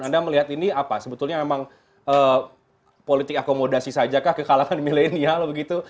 anda melihat ini apa sebetulnya memang politik akomodasi saja kah ke kalangan milenial begitu